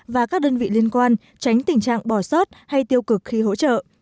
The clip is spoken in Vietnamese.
và các đơn vị liên quan tránh tình trạng bỏ sót hay tiêu cực khi hỗ trợ